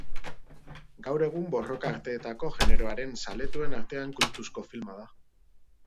Gaur egun borroka arteetako generoaren zaletuen artean kultuzko filma da.